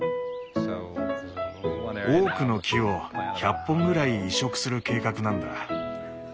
オークの木を１００本ぐらい移植する計画なんだ。